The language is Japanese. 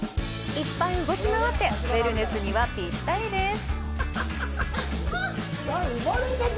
いっぱい動き回って、ウェルネスにはピッタリです。